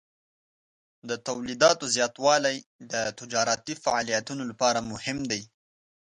د تولیداتو زیاتوالی د تجارتي فعالیتونو لپاره مهم دی.